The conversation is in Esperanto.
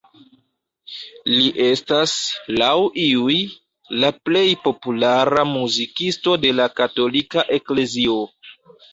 Li estas, laŭ iuj, la plej populara muzikisto de la katolika eklezio.